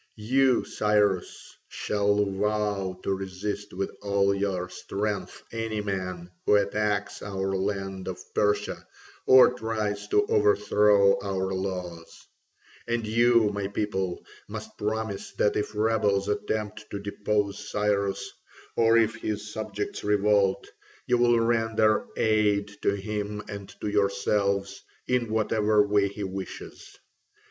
You, Cyrus, shall vow to resist with all your strength any man who attacks our land of Persia or tries to overthrow our laws; and you, my people, must promise that if rebels attempt to depose Cyrus or if his subjects revolt, you will render aid to him and to yourselves in whatever way he wishes.